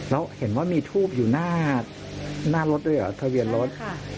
แล้วเห็นว่ามีทูบอยู่หน้าทะเบียรรษ